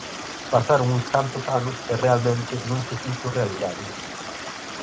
Pasaron uns cantos anos e realmente non se fixo realidade.